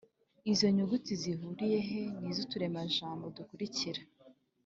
izo nyuguti zihuriyehe n’iz’uturemajambo dukurikira ?